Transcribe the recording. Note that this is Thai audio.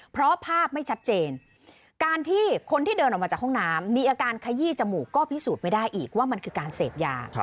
เพราะภาพไม่ชัดเจนการที่คนที่เดินออกมาจากห้องน้ำมีอาการขยี้จมูกก็พิสูจน์ไม่ได้อีกว่ามันคือการเสพยา